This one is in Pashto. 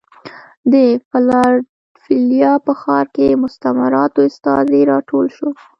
د فلادلفیا په ښار کې مستعمراتو استازي راټول شول.